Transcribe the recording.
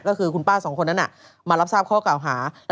ก็คือคุณป้าสองคนนั้นมารับทราบข้อเก่าหา